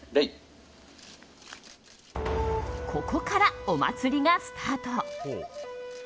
ここから、お祭りがスタート。